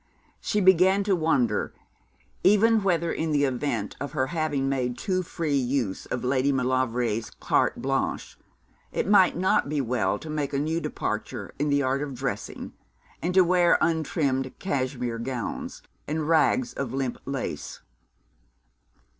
She began to wonder even whether, in the event of her having made rather too free use of Lady Maulevrier's carte blanche, it might not be well to make a new departure in the art of dressing, and to wear untrimmed cashmere gowns, and rags of limp lace.